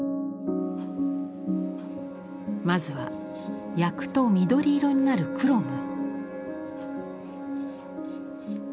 まずは焼くと緑色になるクロム。